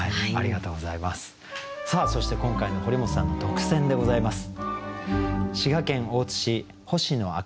さあそして今回の堀本さんの特選でございます。